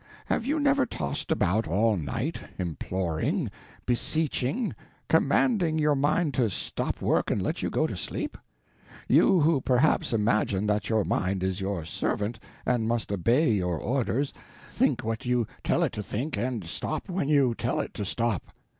Have you never tossed about all night, imploring, beseeching, commanding your mind to stop work and let you go to sleep?—you who perhaps imagine that your mind is your servant and must obey your orders, think what you tell it to think, and stop when you tell it to stop.